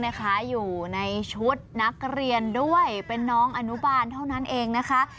นะคะอยู่ในชุดนักเรียนด้วยเป็นน้องอนุบาลเท่านั้นเองนะคะ